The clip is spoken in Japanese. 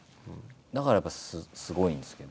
だからやっぱすごいんですけど。